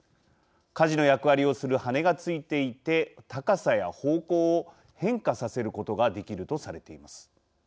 かじの役割をする羽根がついていて高さや方向を変化させることができるとされています。